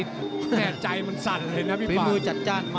แนร์ใจมันสั่นเลยนะพี่ฟังอุณญาติจะจ้านมา